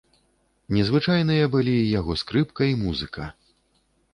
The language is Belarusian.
Незвычайныя былі і яго скрыпка, і музыка.